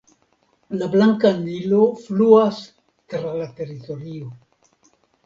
La Blanka Nilo fluas tra la teritorio.